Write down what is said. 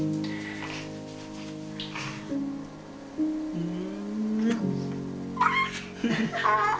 うん。